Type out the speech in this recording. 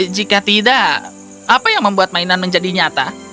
jika tidak apa yang membuat mainan menjadi nyata